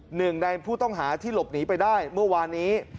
หนึ่งในผู้ต้องหาที่หลบหนีไปได้เมื่อวานนี้